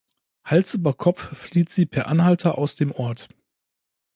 Hals über Kopf flieht sie per Anhalter aus dem Ort.